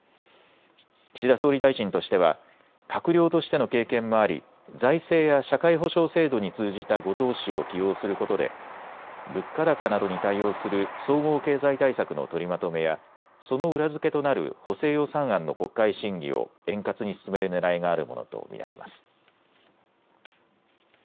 岸田総理大臣としては閣僚としての経験もあり財政や社会保障制度に通じた後藤氏を起用することで物価高などに対応する総合経済対策の取りまとめやその裏付けとなる補正予算案の国会審議を円滑に進めるねらいがあるものと見られます。